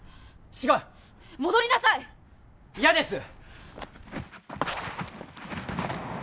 違う戻りなさい嫌です！